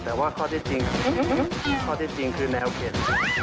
แต่ว่าข้อที่จริงข้อเท็จจริงคือแนวเขต